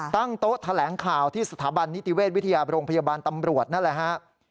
ตั้งโต๊ะแถลงข่าวที่สถาบันนิติเวชวิทยาโรงพยาบาลตำรวจนั่นแหละฮะ